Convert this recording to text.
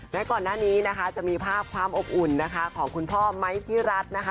ก่อนหน้านี้นะคะจะมีภาพความอบอุ่นนะคะของคุณพ่อไมค์พี่รัฐนะคะ